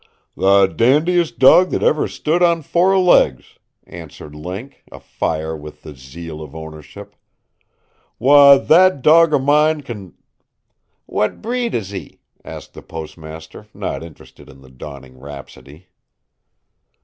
"The dandiest dawg that ever stood on four legs," answered Link, afire with the zeal of ownership. "Why, that dawg of mine c'n " "What breed is he?" asked the postmaster, not interested in the dawning rhapsody.